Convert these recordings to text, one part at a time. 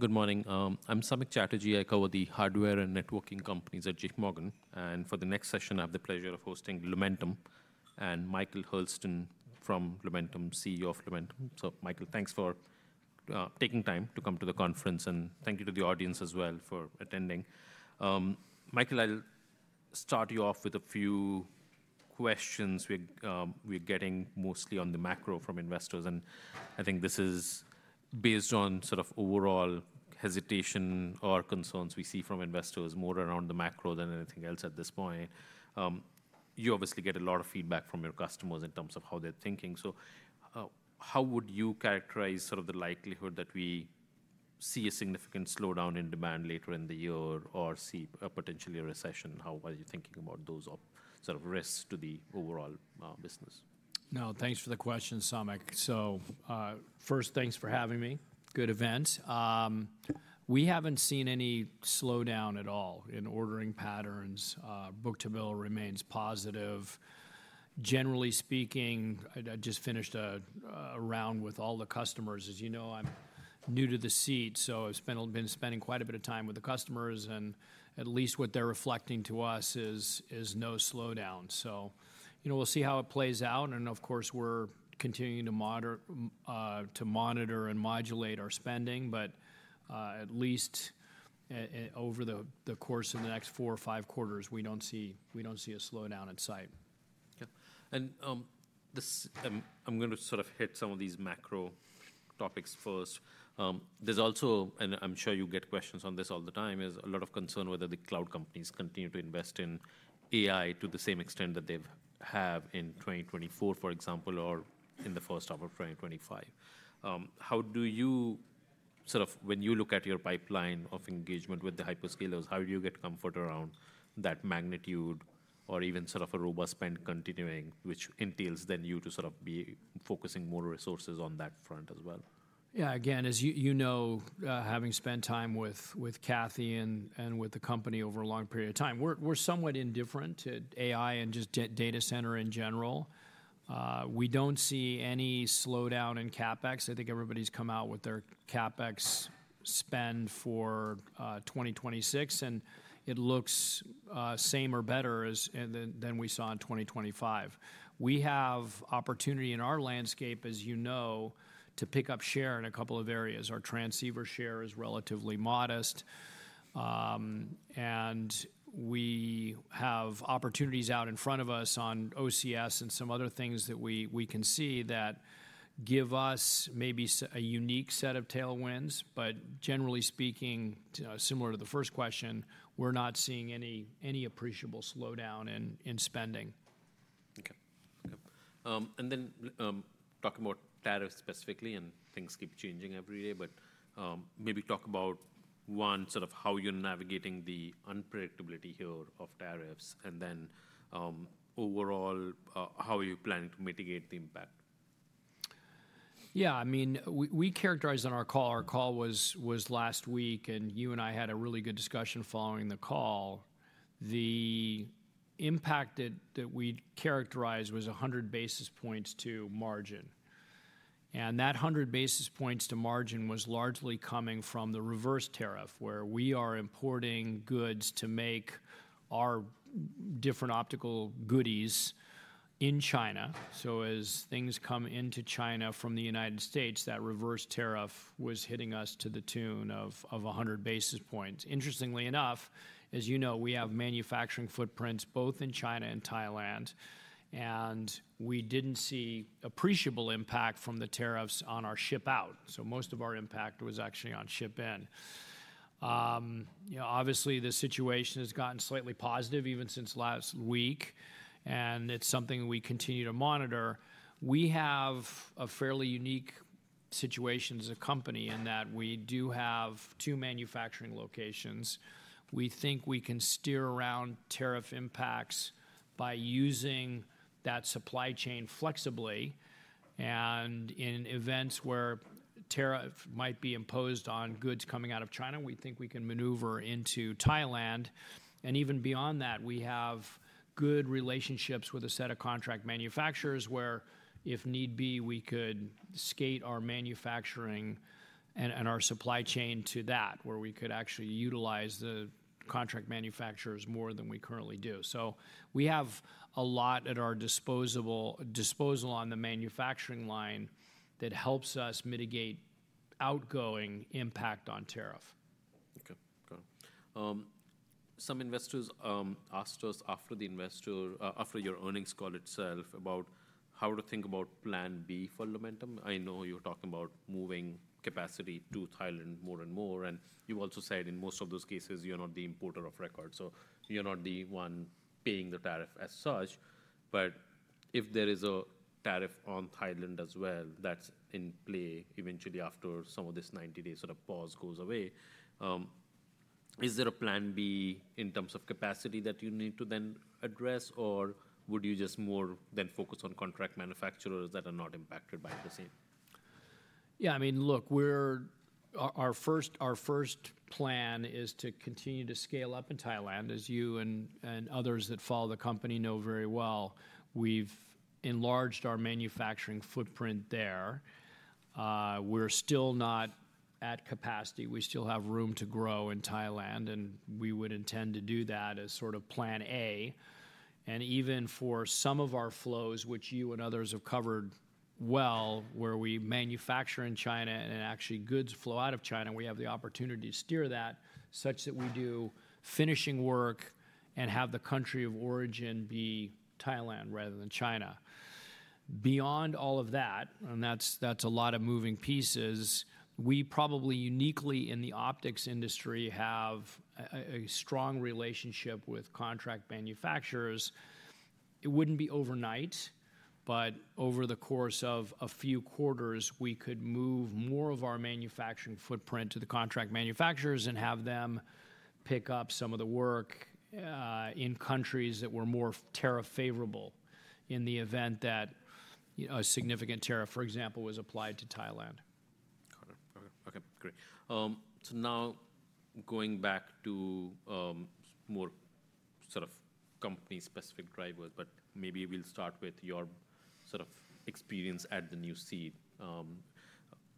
Good morning. I'm Samik Chatterjee. I cover the hardware and networking companies at JPMorgan. For the next session, I have the pleasure of hosting Lumentum and Michael Hurlston from Lumentum, CEO of Lumentum. Michael, thanks for taking time to come to the conference, and thank you to the audience as well for attending. Michael, I'll start you off with a few questions. We're getting mostly on the macro from investors, and I think this is based on sort of overall hesitation or concerns we see from investors more around the macro than anything else at this point. You obviously get a lot of feedback from your customers in terms of how they're thinking. How would you characterize sort of the likelihood that we see a significant slowdown in demand later in the year or see, potentially, a recession? How are you thinking about those sort of risks to the overall business? No, thanks for the question, Samik. First, thanks for having me. Good event. We haven't seen any slowdown at all in ordering patterns. Book-to-bill remains positive. Generally speaking, I just finished a round with all the customers. As you know, I'm new to the seat, so I've been spending quite a bit of time with the customers, and at least what they're reflecting to us is no slowdown. We'll see how it plays out. Of course, we're continuing to monitor and modulate our spending, but at least over the course of the next four or five quarters, we don't see a slowdown in sight. Yeah. This, I'm gonna sort of hit some of these macro topics first. There's also, and I'm sure you get questions on this all the time, is a lot of concern whether the cloud companies continue to invest in AI to the same extent that they've had in 2024, for example, or in the first half of 2025. How do you sort of, when you look at your pipeline of engagement with the hyperscalers, how do you get comfort around that magnitude or even sort of a robust spend continuing, which entails then you to sort of be focusing more resources on that front as well? Yeah. Again, as you, you know, having spent time with Kathy and with the company over a long period of time, we're somewhat indifferent to AI and just data center in general. We don't see any slowdown in CapEx. I think everybody's come out with their CapEx spend for 2026, and it looks same or better than we saw in 2025. We have opportunity in our landscape, as you know, to pick up share in a couple of areas. Our transceiver share is relatively modest, and we have opportunities out in front of us on OCS and some other things that we can see that give us maybe a unique set of tailwinds. Generally speaking, you know, similar to the first question, we're not seeing any appreciable slowdown in spending. Okay. Okay. and then, talking about tariffs specifically, and things keep changing every day, but, maybe talk about one, sort of, how you're navigating the unpredictability here of tariffs, and then, overall, how are you planning to mitigate the impact? Yeah. I mean, we characterized on our call—our call was last week, and you and I had a really good discussion following the call. The impact that we characterized was 100 basis points to margin. And that 100 basis points to margin was largely coming from the reverse tariff, where we are importing goods to make our different optical goodies in China. As things come into China from the United States, that reverse tariff was hitting us to the tune of 100 basis points. Interestingly enough, as you know, we have manufacturing footprints both in China and Thailand, and we did not see appreciable impact from the tariffs on our ship out. Most of our impact was actually on ship in. You know, obviously, the situation has gotten slightly positive even since last week, and it is something we continue to monitor. We have a fairly unique situation as a company in that we do have two manufacturing locations. We think we can steer around tariff impacts by using that supply chain flexibly. In events where tariff might be imposed on goods coming out of China, we think we can maneuver into Thailand. Even beyond that, we have good relationships with a set of contract manufacturers where, if need be, we could skate our manufacturing and our supply chain to that, where we could actually utilize the contract manufacturers more than we currently do. We have a lot at our disposal on the manufacturing line that helps us mitigate outgoing impact on tariff. Okay. Got it. Some investors asked us after the investor, after your earnings call itself, about how to think about plan B for Lumentum. I know you're talking about moving capacity to Thailand more and more, and you've also said in most of those cases, you're not the importer of record, so you're not the one paying the tariff as such. If there is a tariff on Thailand as well that's in play eventually after some of this 90-day sort of pause goes away, is there a plan B in terms of capacity that you need to then address, or would you just more than focus on contract manufacturers that are not impacted by the same? Yeah. I mean, look, our first plan is to continue to scale up in Thailand. As you and others that follow the company know very well, we've enlarged our manufacturing footprint there. We're still not at capacity. We still have room to grow in Thailand, and we would intend to do that as sort of plan A. Even for some of our flows, which you and others have covered well, where we manufacture in China and actually goods flow out of China, we have the opportunity to steer that such that we do finishing work and have the country of origin be Thailand rather than China. Beyond all of that, and that's a lot of moving pieces, we probably uniquely in the optics industry have a strong relationship with contract manufacturers. It wouldn't be overnight, but over the course of a few quarters, we could move more of our manufacturing footprint to the contract manufacturers and have them pick up some of the work, in countries that were more tariff favorable in the event that, you know, a significant tariff, for example, was applied to Thailand. Got it. Okay. Okay. Great. So now going back to more sort of company-specific drivers, but maybe we'll start with your sort of experience at the new seat.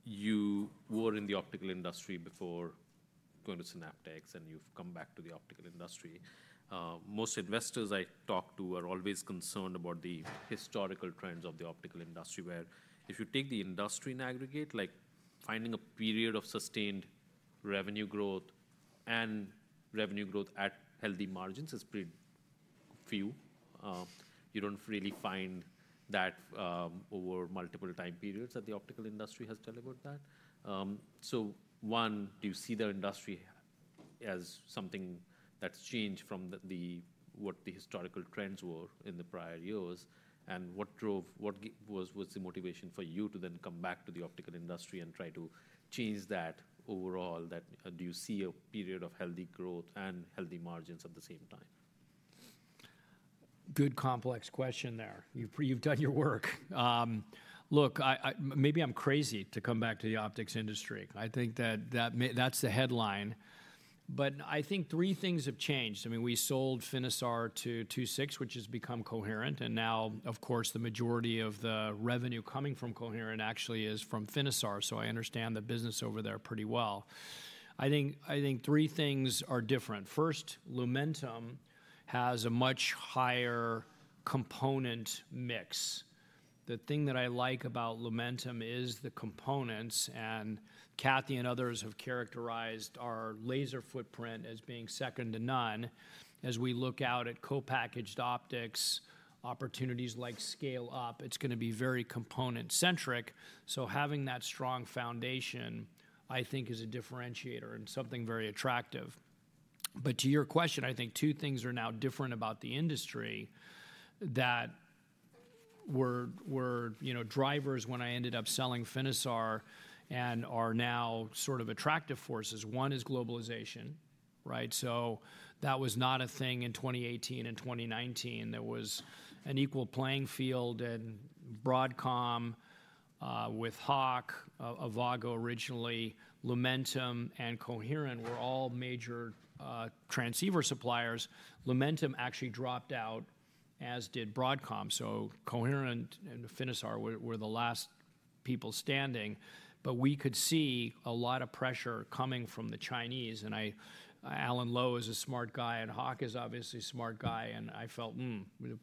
You were in the optical industry before going to Synaptics, and you've come back to the optical industry. Most investors I talk to are always concerned about the historical trends of the optical industry, where if you take the industry in aggregate, like finding a period of sustained revenue growth and revenue growth at healthy margins is pretty few. You don't really find that, over multiple time periods that the optical industry has delivered that. So one, do you see the industry as something that's changed from what the historical trends were in the prior years? And what drove, what was, was the motivation for you to then come back to the optical industry and try to change that overall? Do you see a period of healthy growth and healthy margins at the same time? Good, complex question there. You've, you've done your work. Look, I, I maybe I'm crazy to come back to the optics industry. I think that that, I mean, that's the headline. I think three things have changed. I mean, we sold Finisar to 26, which has become Coherent, and now, of course, the majority of the revenue coming from Coherent actually is from Finisar. I understand the business over there pretty well. I think three things are different. First, Lumentum has a much higher component mix. The thing that I like about Lumentum is the components, and Kathy and others have characterized our laser footprint as being second to none. As we look out at co-packaged optics, opportunities like Scale-Up, it's gonna be very component-centric. Having that strong foundation, I think, is a differentiator and something very attractive. To your question, I think two things are now different about the industry that were, you know, drivers when I ended up selling Finisar and are now sort of attractive forces. One is globalization, right? That was not a thing in 2018 and 2019. There was an equal playing field in Broadcom, with Hock, Avago originally. Lumentum and Coherent were all major transceiver suppliers. Lumentum actually dropped out, as did Broadcom. Coherent and Finisar were the last people standing. We could see a lot of pressure coming from the Chinese. I, Alan Lowe is a smart guy, and Hock is obviously a smart guy, and I felt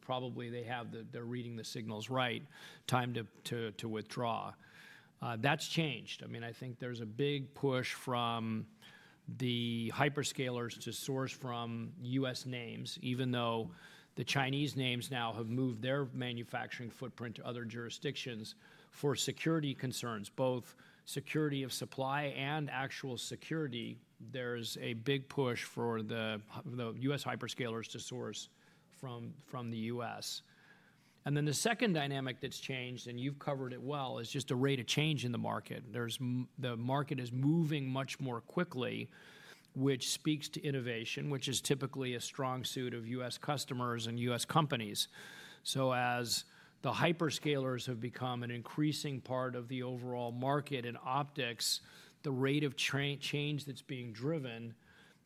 probably they are reading the signals right, time to withdraw. That has changed. I mean, I think there is a big push from the hyperscalers to source from U.S. Names, even though the Chinese names now have moved their manufacturing footprint to other jurisdictions for security concerns, both security of supply and actual security. There is a big push for the U.S. hyperscalers to source from the U.S. The second dynamic that has changed, and you have covered it well, is just the rate of change in the market. The market is moving much more quickly, which speaks to innovation, which is typically a strong suit of U.S. customers and U.S. companies. As the hyperscalers have become an increasing part of the overall market in optics, the rate of change that is being driven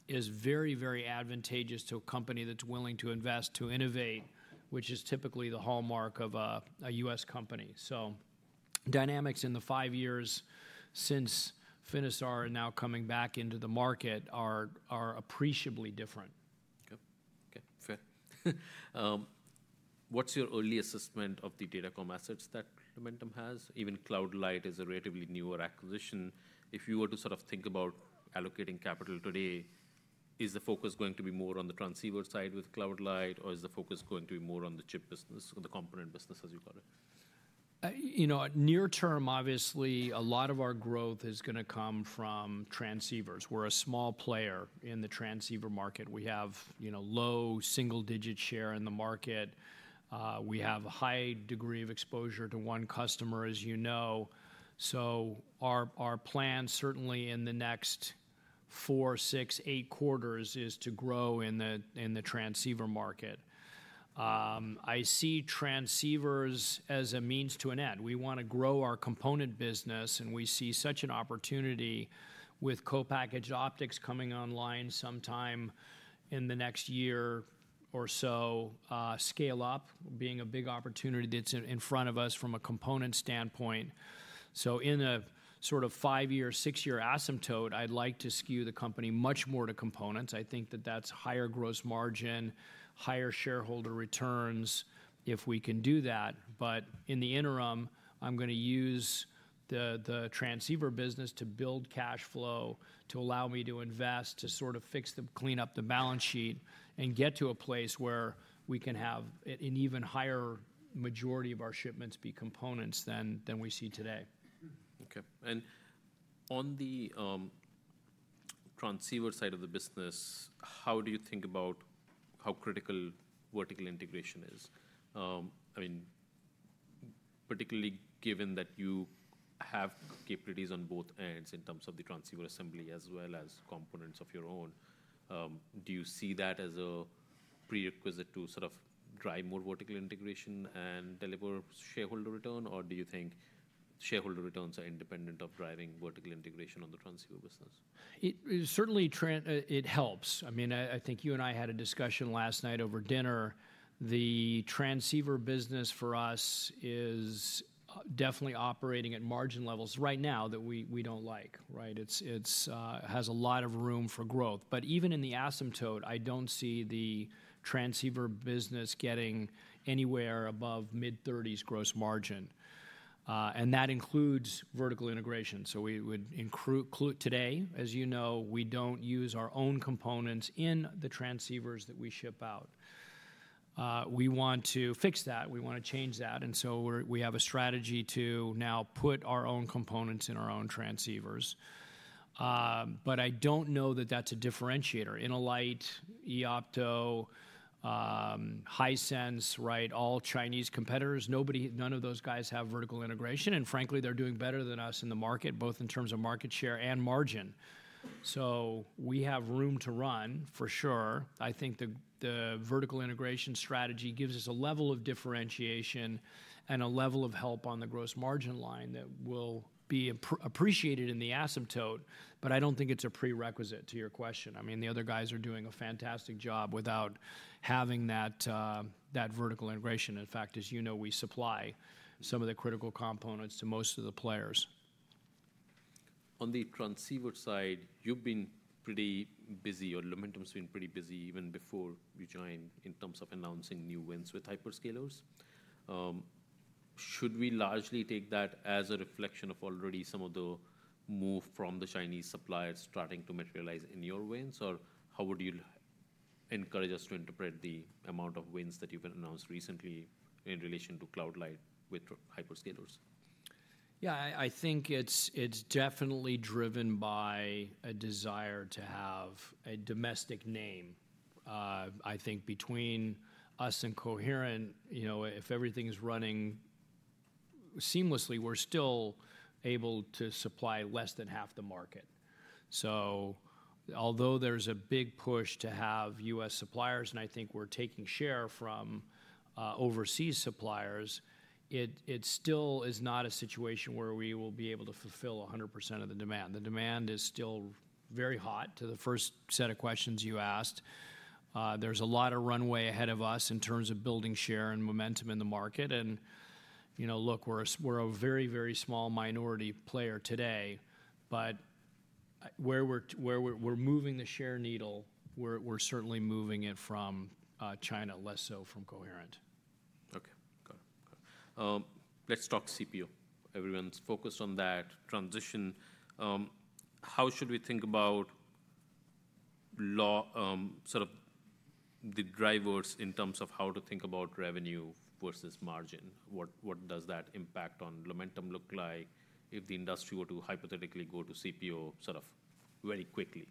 is very, very advantageous to a company that is willing to invest, to innovate, which is typically the hallmark of a U.S. company. Dynamics in the five years since Finisar and now coming back into the market are appreciably different. Okay. Okay. Fair. What's your early assessment of the data com assets that Lumentum has? Even CloudLight is a relatively newer acquisition. If you were to sort of think about allocating capital today, is the focus going to be more on the transceiver side with CloudLight, or is the focus going to be more on the chip business or the component business, as you call it? You know, near term, obviously, a lot of our growth is gonna come from transceivers. We're a small player in the transceiver market. We have, you know, low single-digit share in the market. We have a high degree of exposure to one customer, as you know. Our plan certainly in the next four, six, eight quarters is to grow in the transceiver market. I see transceivers as a means to an end. We wanna grow our component business, and we see such an opportunity with co-packaged optics coming online sometime in the next year or so, Scale-Up being a big opportunity that's in front of us from a component standpoint. In a sort of five-year, six-year asymptote, I'd like to skew the company much more to components. I think that that's higher gross margin, higher shareholder returns if we can do that. In the interim, I'm gonna use the transceiver business to build cash flow, to allow me to invest, to sort of fix the clean up the balance sheet and get to a place where we can have an even higher majority of our shipments be components than we see today. Okay. On the transceiver side of the business, how do you think about how critical vertical integration is? I mean, particularly given that you have capabilities on both ends in terms of the transceiver assembly as well as components of your own, do you see that as a prerequisite to sort of drive more vertical integration and deliver shareholder return, or do you think shareholder returns are independent of driving vertical integration on the transceiver business? It certainly helps. I mean, I think you and I had a discussion last night over dinner. The transceiver business for us is definitely operating at margin levels right now that we do not like, right? It has a lot of room for growth. Even in the asymptote, I do not see the transceiver business getting anywhere above mid-30s gross margin, and that includes vertical integration. We would include today, as you know, we do not use our own components in the transceivers that we ship out. We want to fix that. We want to change that. We have a strategy to now put our own components in our own transceivers. I do not know that that is a differentiator. Innolight, Eoptolink, Hisense, right? All Chinese competitors, none of those guys have vertical integration. Frankly, they're doing better than us in the market, both in terms of market share and margin. We have room to run for sure. I think the vertical integration strategy gives us a level of differentiation and a level of help on the gross margin line that will be appreciated in the asymptote. I do not think it's a prerequisite to your question. I mean, the other guys are doing a fantastic job without having that vertical integration. In fact, as you know, we supply some of the critical components to most of the players. On the transceiver side, you've been pretty busy. Or Lumentum's been pretty busy even before you joined in terms of announcing new wins with hyperscalers. Should we largely take that as a reflection of already some of the move from the Chinese suppliers starting to materialize in your wins, or how would you encourage us to interpret the amount of wins that you've announced recently in relation to CloudLight with hyperscalers? Yeah. I think it's definitely driven by a desire to have a domestic name. I think between us and Coherent, you know, if everything's running seamlessly, we're still able to supply less than half the market. Although there's a big push to have U.S. suppliers, and I think we're taking share from overseas suppliers, it still is not a situation where we will be able to fulfill 100% of the demand. The demand is still very hot to the first set of questions you asked. There's a lot of runway ahead of us in terms of building share and momentum in the market. You know, look, we're a very, very small minority player today. Where we're moving the share needle, we're certainly moving it from China, less so from Coherent. Okay. Got it. Got it. Let's talk CPO. Everyone's focused on that transition. How should we think about, sort of, the drivers in terms of how to think about revenue versus margin? What does that impact on Lumentum look like if the industry were to hypothetically go to CPO very quickly?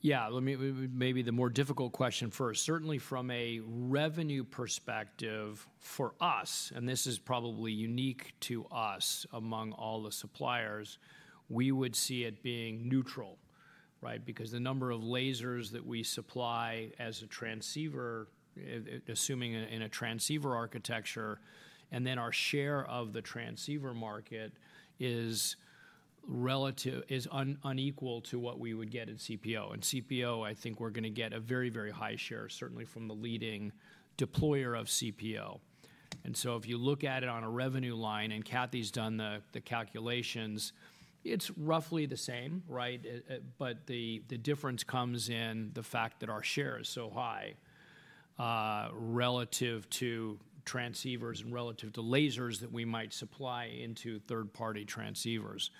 Yeah. Let me, maybe the more difficult question first. Certainly from a revenue perspective for us, and this is probably unique to us among all the suppliers, we would see it being neutral, right? Because the number of lasers that we supply as a transceiver, assuming in a transceiver architecture, and then our share of the transceiver market is relative, is unequal to what we would get in CPO. In CPO, I think we're gonna get a very, very high share, certainly from the leading deployer of CPO. If you look at it on a revenue line, and Kathy's done the calculations, it's roughly the same, right? The difference comes in the fact that our share is so high, relative to transceivers and relative to lasers that we might supply into third-party transceivers.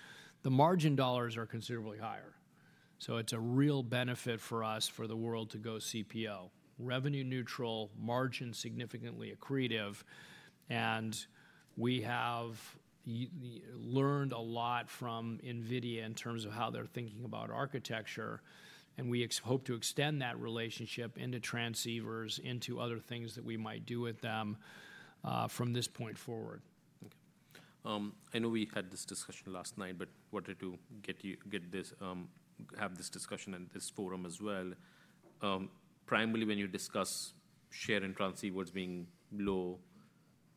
The margin dollars are considerably higher. It's a real benefit for us for the world to go CPO. Revenue neutral, margin significantly accretive. We have learned a lot from Nvidia in terms of how they're thinking about architecture. We hope to extend that relationship into transceivers, into other things that we might do with them, from this point forward. Okay. I know we had this discussion last night, but wanted to get you, get this, have this discussion in this forum as well. Primarily when you discuss share in transceivers being low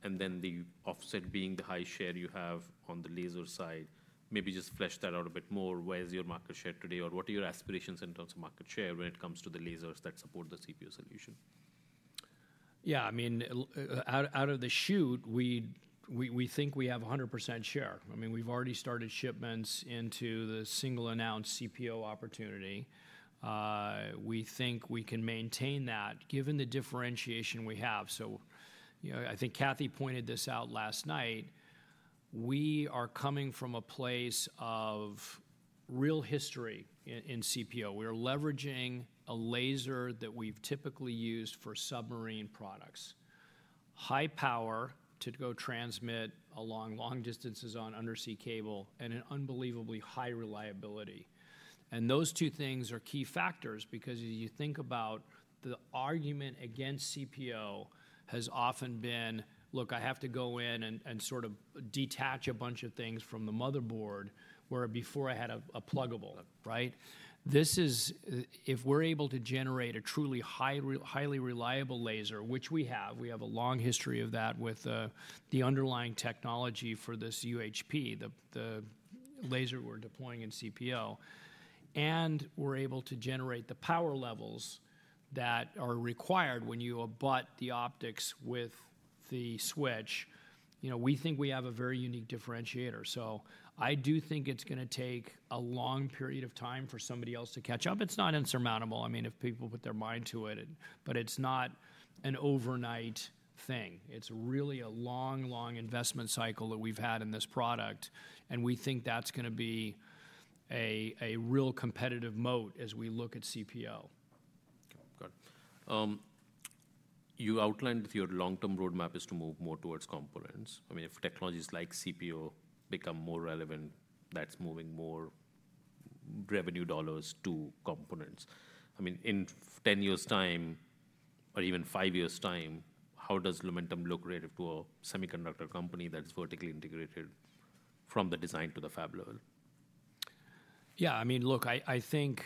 and then the offset being the high share you have on the laser side, maybe just flesh that out a bit more. Where's your market share today, or what are your aspirations in terms of market share when it comes to the lasers that support the CPO solution? Yeah. I mean, out of the chute, we think we have 100% share. I mean, we've already started shipments into the single-announced CPO opportunity. We think we can maintain that given the differentiation we have. You know, I think Kathy pointed this out last night. We are coming from a place of real history in CPO. We are leveraging a laser that we've typically used for submarine products, high power to go transmit along long distances on undersea cable, and an unbelievably high reliability. Those two things are key factors because as you think about the argument against CPO, it has often been, "Look, I have to go in and sort of detach a bunch of things from the motherboard," where before I had a pluggable, right? This is, if we're able to generate a truly high, highly reliable laser, which we have, we have a long history of that with the underlying technology for this UHP, the laser we're deploying in CPO, and we're able to generate the power levels that are required when you abut the optics with the switch, you know, we think we have a very unique differentiator. I do think it's gonna take a long period of time for somebody else to catch up. It's not insurmountable. I mean, if people put their mind to it, but it's not an overnight thing. It's really a long, long investment cycle that we've had in this product. We think that's gonna be a real competitive moat as we look at CPO. Okay. Got it. You outlined that your long-term roadmap is to move more towards components. I mean, if technologies like CPO become more relevant, that's moving more revenue dollars to components. I mean, in 10 years' time or even 5 years' time, how does Lumentum look relative to a semiconductor company that's vertically integrated from the design to the fab level? Yeah. I mean, look, I think,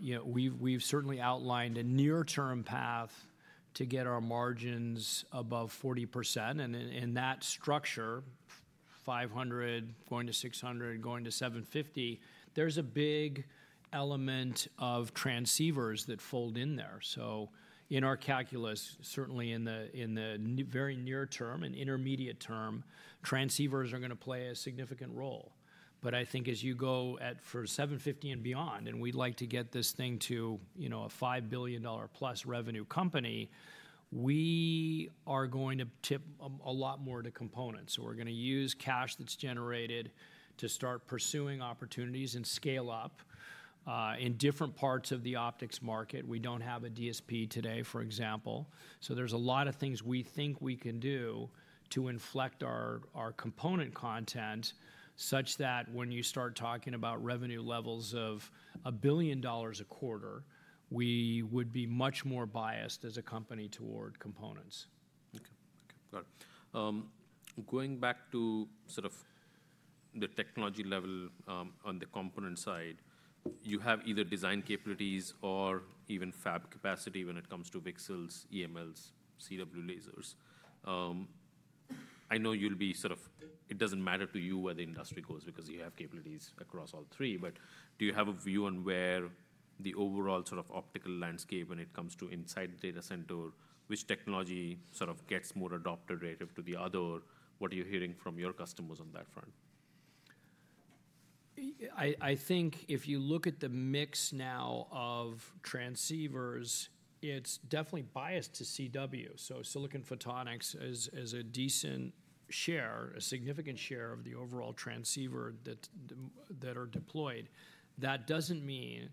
you know, we've certainly outlined a near-term path to get our margins above 40%. In that structure, 500 going to 600, going to 750, there's a big element of transceivers that fold in there. In our calculus, certainly in the very near term and intermediate term, transceivers are gonna play a significant role. I think as you go at for 750 and beyond, and we'd like to get this thing to, you know, a $5 billion plus revenue company, we are going to tip a lot more to components. We're gonna use cash that's generated to start pursuing opportunities and scale up in different parts of the optics market. We don't have a DSP today, for example. There's a lot of things we think we can do to inflect our component content such that when you start talking about revenue levels of $1 billion a quarter, we would be much more biased as a company toward components. Okay. Okay. Got it. Going back to sort of the technology level, on the component side, you have either design capabilities or even fab capacity when it comes to VCSELs, EMLs, CW lasers. I know you'll be sort of, it does not matter to you where the industry goes because you have capabilities across all three. Do you have a view on where the overall sort of optical landscape, when it comes to inside the data center, which technology sort of gets more adopted relative to the other? What are you hearing from your customers on that front? I think if you look at the mix now of transceivers, it's definitely biased to CW. Silicon Photonics is a decent share, a significant share of the overall transceiver that are deployed. That doesn't mean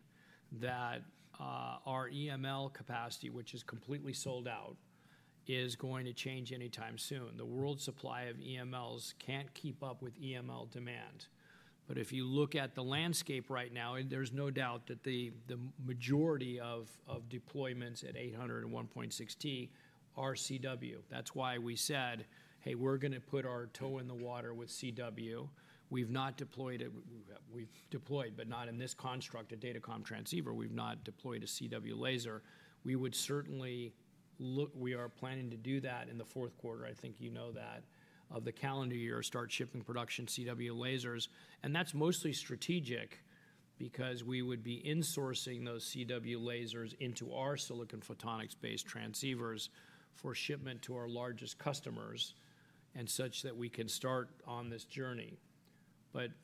that our EML capacity, which is completely sold out, is going to change anytime soon. The world supply of EMLs can't keep up with EML demand. If you look at the landscape right now, there's no doubt that the majority of deployments at 800 and 1.6T are CW. That's why we said, "Hey, we're gonna put our toe in the water with CW." We've not deployed it. We've deployed, but not in this construct, a DataCom transceiver. We've not deployed a CW laser. We would certainly look, we are planning to do that in the fourth quarter. I think you know that over the calendar year, start shipping production CW lasers. That is mostly strategic because we would be insourcing those CW lasers into our Silicon Photonics-based transceivers for shipment to our largest customers, such that we can start on this journey.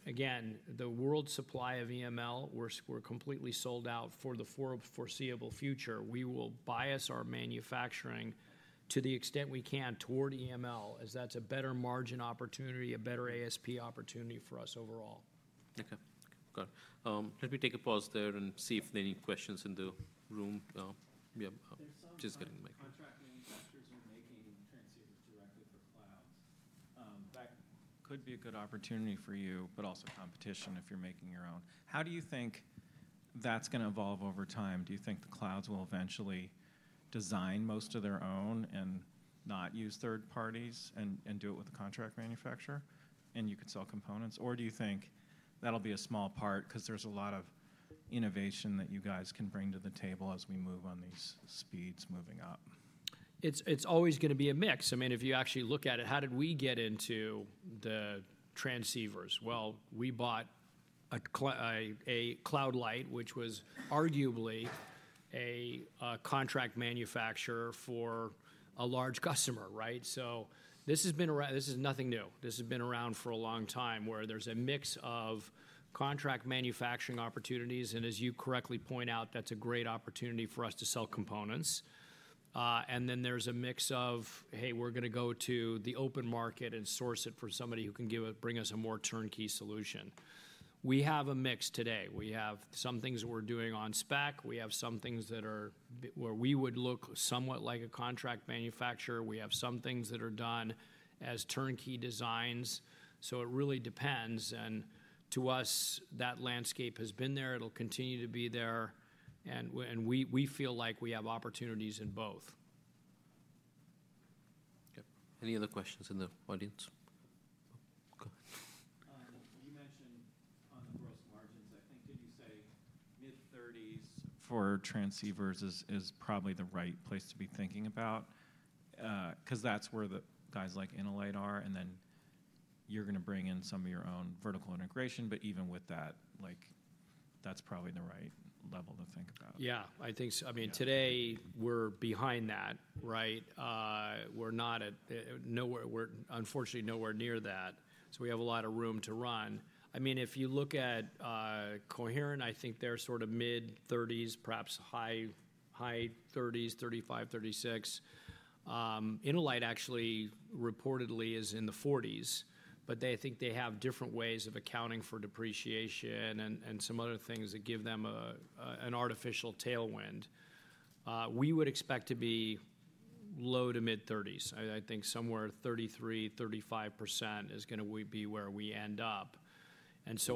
Again, the world supply of EML, we are completely sold out for the foreseeable future. We will bias our manufacturing to the extent we can toward EML, as that is a better margin opportunity, a better ASP opportunity for us overall. Okay. Got it. Let me take a pause there and see if there are any questions in the room. We have just getting the mic. Contract manufacturers are making transceivers directly for clouds. That could be a good opportunity for you, but also competition if you're making your own. How do you think that's gonna evolve over time? Do you think the clouds will eventually design most of their own and not use third parties and do it with a contract manufacturer and you can sell components? Or do you think that'll be a small part 'cause there's a lot of innovation that you guys can bring to the table as we move on these speeds moving up? It's always gonna be a mix. I mean, if you actually look at it, how did we get into the transceivers? We bought a CloudLight, which was arguably a contract manufacturer for a large customer, right? This has been around, this is nothing new. This has been around for a long time where there's a mix of contract manufacturing opportunities. As you correctly point out, that's a great opportunity for us to sell components. Then there's a mix of, "Hey, we're gonna go to the open market and source it for somebody who can give us, bring us a more turnkey solution." We have a mix today. We have some things that we're doing on spec. We have some things that are where we would look somewhat like a contract manufacturer. We have some things that are done as turnkey designs. It really depends. To us, that landscape has been there. It'll continue to be there. We feel like we have opportunities in both. Okay. Any other questions in the audience? Go ahead. You mentioned on the gross margins, I think, did you say mid-30s? For transceivers is, is probably the right place to be thinking about, 'cause that's where the guys like Innolight are. And then you're gonna bring in some of your own vertical integration. But even with that, like, that's probably the right level to think about. Yeah. I think so. I mean, today we're behind that, right? We're not at, nowhere. We're unfortunately nowhere near that. So we have a lot of room to run. I mean, if you look at Coherent, I think they're sort of mid-30s, perhaps high, high 30s, 35, 36. Innolight actually reportedly is in the 40s, but they think they have different ways of accounting for depreciation and, and some other things that give them a, an artificial tailwind. We would expect to be low to mid-30s. I, I think somewhere 33-35% is gonna be where we end up.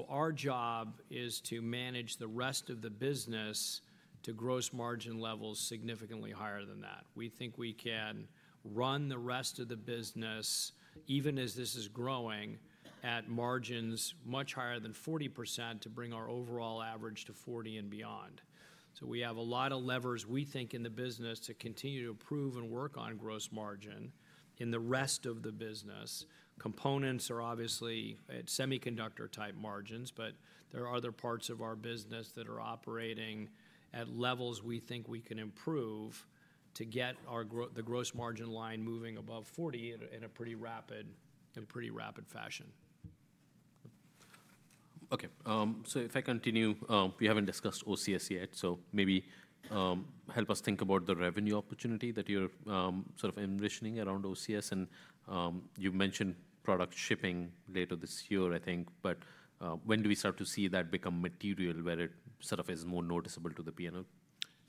Our job is to manage the rest of the business to gross margin levels significantly higher than that. We think we can run the rest of the business, even as this is growing at margins much higher than 40% to bring our overall average to 40% and beyond. We have a lot of levers we think in the business to continue to improve and work on gross margin in the rest of the business. Components are obviously at semiconductor-type margins, but there are other parts of our business that are operating at levels we think we can improve to get our gross, the gross margin line moving above 40% in a pretty rapid fashion. Okay. So if I continue, we have not discussed OCS yet. Maybe, help us think about the revenue opportunity that you are sort of envisioning around OCS. You mentioned product shipping later this year, I think. When do we start to see that become material where it is more noticeable to the P&L?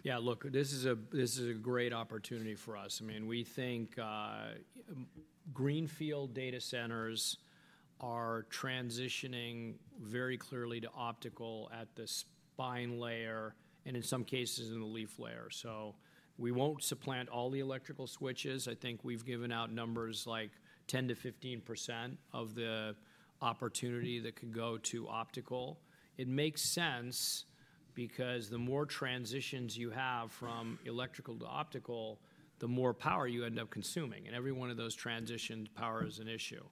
Yeah. Look, this is a, this is a great opportunity for us. I mean, we think Greenfield data centers are transitioning very clearly to optical at the spine layer and in some cases in the leaf layer. We will not supplant all the electrical switches. I think we have given out numbers like 10-15% of the opportunity that could go to optical. It makes sense because the more transitions you have from electrical to optical, the more power you end up consuming. Every one of those transitions, power is an issue.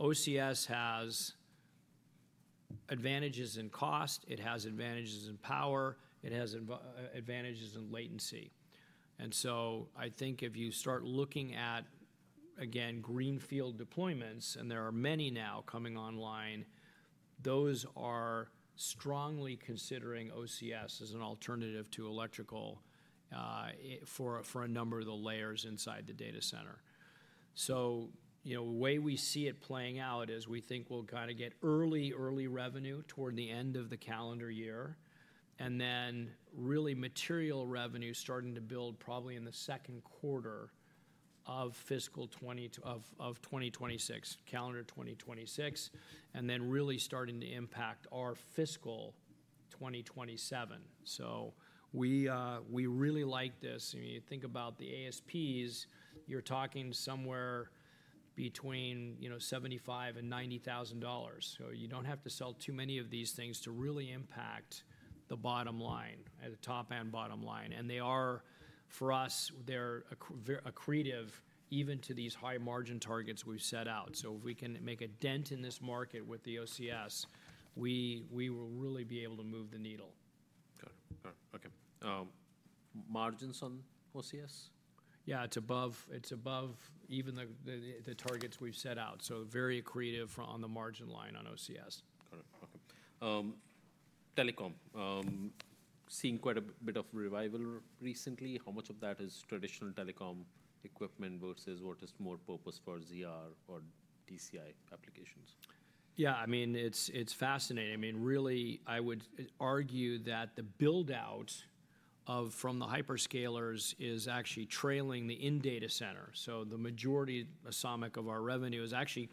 OCS has advantages in cost. It has advantages in power. It has advantages in latency. I think if you start looking at, again, Greenfield deployments, and there are many now coming online, those are strongly considering OCS as an alternative to electrical for a number of the layers inside the data center. You know, the way we see it playing out is we think we'll kind of get early, early revenue toward the end of the calendar year and then really material revenue starting to build probably in the second quarter of fiscal 2026, calendar 2026, and then really starting to impact our fiscal 2027. We really like this. I mean, you think about the ASPs, you're talking somewhere between $75,000 and $90,000. You don't have to sell too many of these things to really impact the top and bottom line. They are, for us, accretive even to these high margin targets we've set out. If we can make a dent in this market with the OCS, we will really be able to move the needle. Got it. Got it. Okay. Margins on OCS? Yeah. It's above, it's above even the targets we've set out. So very accretive for on the margin line on OCS. Got it. Okay. Telecom, seeing quite a bit of revival recently. How much of that is traditional telecom equipment versus what is more purpose for ZR or DCI applications? Yeah. I mean, it's fascinating. I mean, really, I would argue that the buildout from the hyperscalers is actually trailing the in-data center. The majority of our revenue is actually,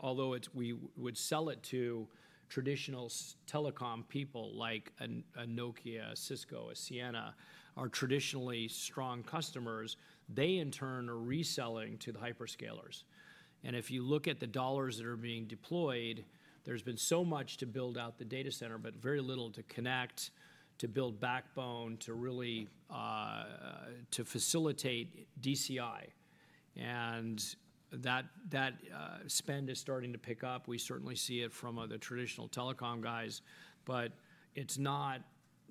although we would sell it to traditional telecom people like a Nokia, a Cisco, a Ciena, our traditionally strong customers, they in turn are reselling to the hyperscalers. If you look at the dollars that are being deployed, there's been so much to build out the data center, but very little to connect, to build backbone, to really facilitate DCI. That spend is starting to pick up. We certainly see it from other traditional telecom guys, but it's not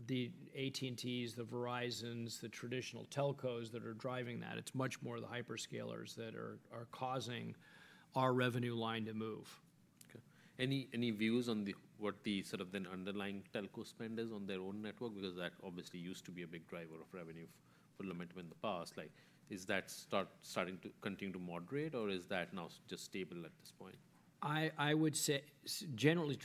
the AT&Ts, the Verizons, the traditional telcos that are driving that. It's much more the hyperscalers that are causing our revenue line to move. Okay. Any views on what the sort of then underlying telco spend is on their own network? Because that obviously used to be a big driver of revenue for Lumentum in the past. Like, is that starting to continue to moderate or is that now just stable at this point? I would say, generally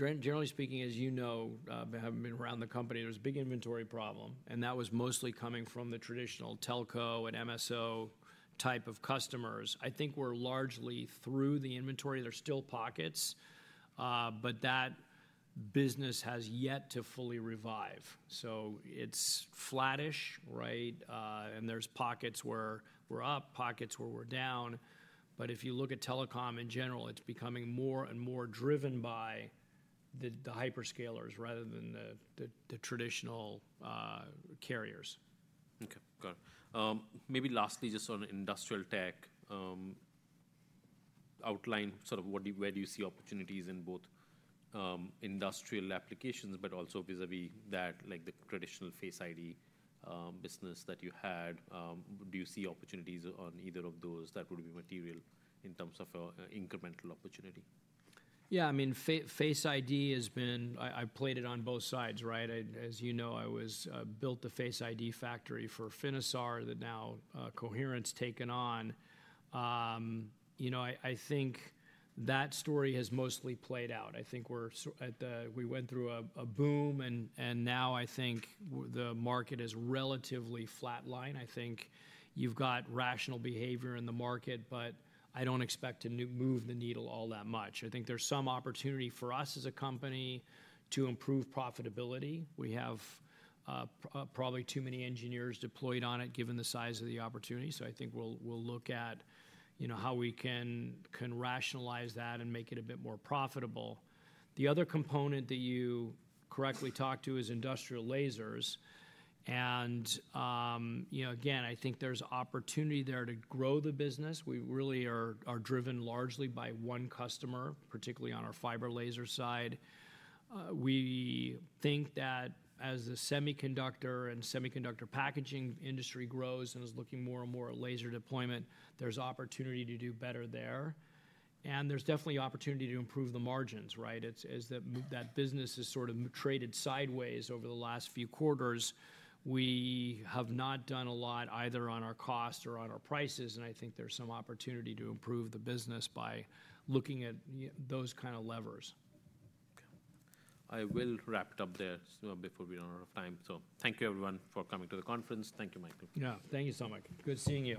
speaking, as you know, having been around the company, there's a big inventory problem. That was mostly coming from the traditional telco and MSO type of customers. I think we're largely through the inventory. There's still pockets, but that business has yet to fully revive. It is flattish, right? There are pockets where we're up, pockets where we're down. If you look at telecom in general, it's becoming more and more driven by the hyperscalers rather than the traditional carriers. Okay. Got it. Maybe lastly, just on industrial tech, outline sort of what do you, where do you see opportunities in both industrial applications, but also vis-à-vis that, like the traditional Face ID business that you had? Do you see opportunities on either of those that would be material in terms of a incremental opportunity? Yeah. I mean, face ID has been, I played it on both sides, right? I, as you know, I was, built the face ID factory for Finisar that now, Coherent's taken on. You know, I think that story has mostly played out. I think we're at the, we went through a boom and, and now I think the market is relatively flatline. I think you've got rational behavior in the market, but I don't expect to move the needle all that much. I think there's some opportunity for us as a company to improve profitability. We have probably too many engineers deployed on it given the size of the opportunity. I think we'll look at, you know, how we can rationalize that and make it a bit more profitable. The other component that you correctly talked to is industrial lasers. You know, again, I think there's opportunity there to grow the business. We really are driven largely by one customer, particularly on our fiber laser side. We think that as the semiconductor and semiconductor packaging industry grows and is looking more and more at laser deployment, there's opportunity to do better there. There's definitely opportunity to improve the margins, right? That business has sort of traded sideways over the last few quarters. We have not done a lot either on our cost or on our prices. I think there's some opportunity to improve the business by looking at those kind of levers. Okay. I will wrap it up there before we run out of time. Thank you everyone for coming to the conference. Thank you, Michael. Yeah. Thank you so much. Good seeing you.